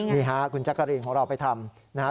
นี่ค่ะคุณจักริงของเราไปทำ